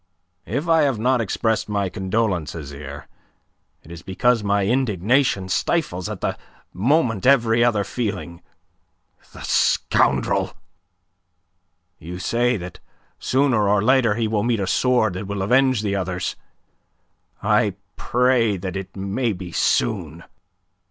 "If I have not expressed my condolence, Azyr, it is because my indignation stifles at the moment every other feeling. The scoundrel! You say that sooner or later he will meet a sword that will avenge the others. I pray that it may be soon."